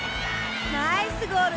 ナイスゴール！